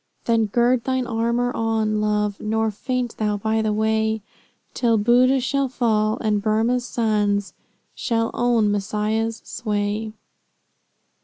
Then gird thine armor on, Love, Nor faint thou by the way, Till Boodh shall fall, and Burmah's sons Shall own Messiah's sway."